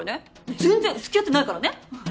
全然つきあってないからね